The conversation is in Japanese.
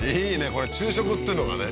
これ昼食っていうのがね